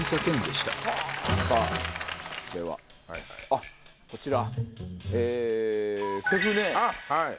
あっこちら。